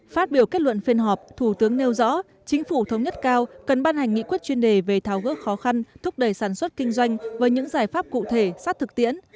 phát biểu kết luận phiên họp thủ tướng nêu rõ chính phủ thống nhất cao cần ban hành nghị quyết chuyên đề về tháo gỡ khó khăn thúc đẩy sản xuất kinh doanh với những giải pháp cụ thể sát thực tiễn